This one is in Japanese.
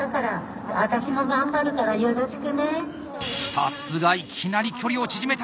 さすがいきなり距離を縮めた！